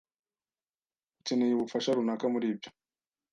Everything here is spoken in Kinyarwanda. Ukeneye ubufasha runaka muribyo?